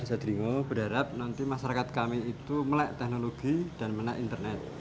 saya berharap nanti masyarakat kami itu melangkuk teknologi dan melangkuk internet